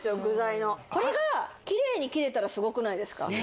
具材のこれがキレイに切れたらすごくないですか？